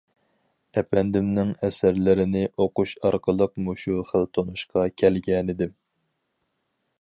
ئەپەندىمنىڭ ئەسەرلىرىنى ئوقۇش ئارقىلىق مۇشۇ خىل تونۇشقا كەلگەنىدىم.